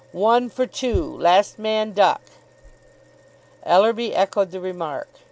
"One for two. Last man duck." Ellerby echoed the remark.